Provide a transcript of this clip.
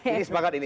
ini sepakat ini